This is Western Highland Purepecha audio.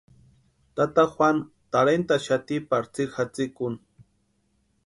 Tata Juanu tarhentʼaxati pari tsiri jatsikuni.